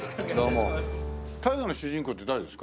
大河の主人公って誰ですか？